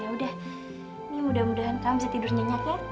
ya udah ini mudah mudahan kamu bisa tidur nyenyak ya